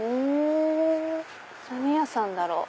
何屋さんだろう？